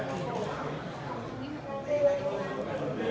ขอบคุณมากครับ